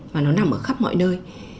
mà nó nằm ở khắp mọi nơi